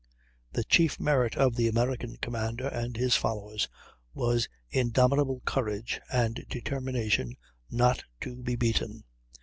The chief merit of the American commander and his followers was indomitable courage, and determination not to be beaten.